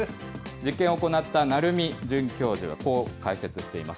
実験を行った鳴海准教授はこう解説しています。